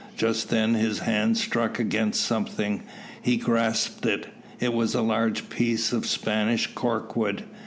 Just then his hand struck against something. He grasped it. It was a large piece of Spanish cork wood.